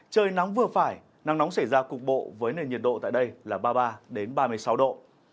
trời nắng vừa phải nắng nóng xảy ra cục bộ với nền nhiệt độ tại đây là ba mươi ba ba mươi sáu độ